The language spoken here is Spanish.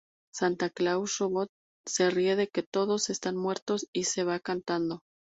Santa Claus Robot se ríe de que todos están muertos y se va cantando.